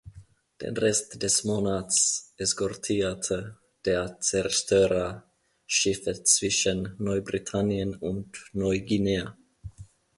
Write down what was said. Den Rest des Monats eskortierte der Zerstörer Schiffe zwischen Neubritannien und Neuguinea.